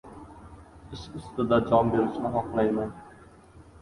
Ish ustida jon berishni xohlayman.